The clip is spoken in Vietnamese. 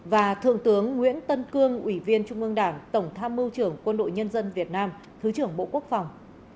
và thượng tướng nguyễn tân cương ủy viên trung ương đảng tổng tham mưu trưởng quân đội nhân dân việt nam thứ trưởng bộ quốc phòng